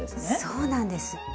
そうなんです。